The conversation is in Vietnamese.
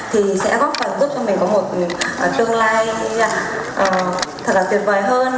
thì sẽ góp phần giúp cho mình có một tương lai thật là tuyệt vời hơn